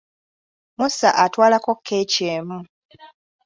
Musa atwalako keeki emu.